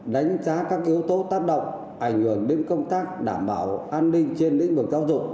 đánh giá các yếu tố tác động ảnh hưởng đến công tác đảm bảo an ninh trên lĩnh vực giáo dục